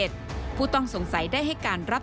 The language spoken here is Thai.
สมทรณ์อธิบาย